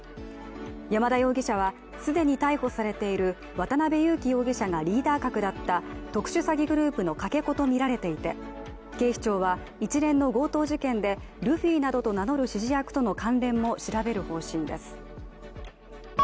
山田容疑者は、既に逮捕されている渡辺優樹容疑者がリーダー格だった特殊詐欺グループのかけ子とみられていて、警視庁は、一連の強盗事件でルフィなどと名乗る指示役との関連も調べる方針です。